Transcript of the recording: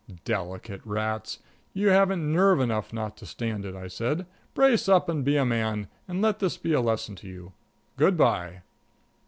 "Delicate rats! You haven't nerve enough not to stand it," I said. "Brace up and be a man, and let this be a lesson to you. Good by."